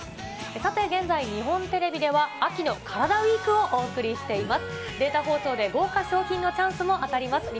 さて現在、日本テレビでは秋のカラダＷＥＥＫをお送りしています。